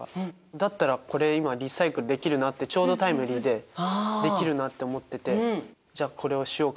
だったらこれ今リサイクルできるなってちょうどタイムリーでできるなって思っててじゃあこれをしようかなって。